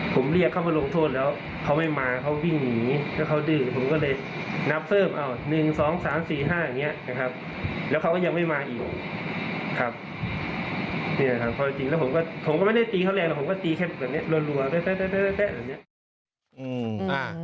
ผมก็ไม่ได้ตีเท่าแรงผมก็ตีแค่แบบนี้ลวน